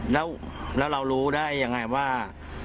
แล้วเรารู้ได้ยังไงว่า